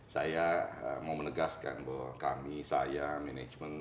saya mau menegaskan bahwa kami saya manajemen